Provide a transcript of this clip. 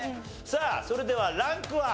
さあそれではランクは？